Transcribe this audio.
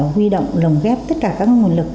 huy động lồng ghép tất cả các nguồn lực